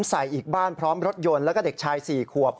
ใส่อีกบ้านพร้อมรถยนต์แล้วก็เด็กชาย๔ขวบ